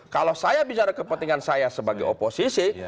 kalau saya bicara kepentingan saya sebagai oposisi